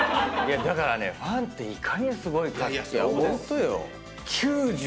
だからねファンっていかにすごいかって思う。